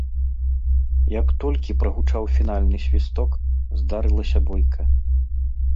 Як толькі прагучаў фінальны свісток, здарылася бойка.